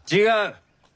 違う。